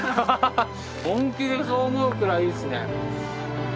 本気でそう思うくらいいいっすね。